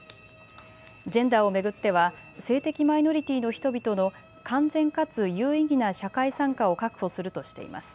ジェンダーを巡っては性的マイノリティーの人々の完全かつ有意義な社会参加を確保するとしています。